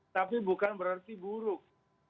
tapi bukan berarti buruk